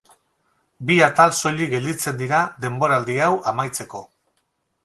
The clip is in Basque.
Bi atal soilik gelditzen dira denboraldi hau amaitzeko.